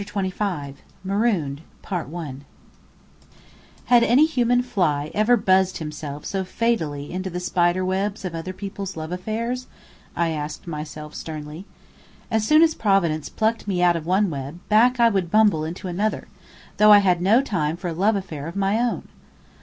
CHAPTER XXV MAROONED Had any human fly ever buzzed himself so fatally into the spider webs of other people's love affairs? I asked myself sternly. As soon as Providence plucked me out of one web, back I would bumble into another, though I had no time for a love affair of my own.